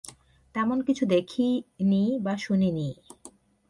তেমন কিছু দেখি দি বা শুনি নি।